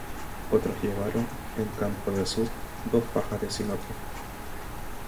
Otros llevaron, en campo de azur, dos fajas de sinople.